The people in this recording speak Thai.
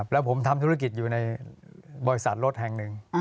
แล้วผมทำธุรกิจอยู่ในบริษัทรถแห่งหนึ่ง